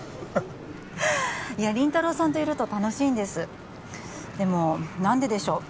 いや林太郎さんといると楽しいんですでも何ででしょう